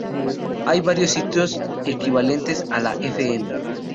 Hay varios sitios equivalentes a la Fm.